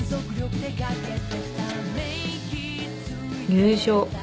優勝。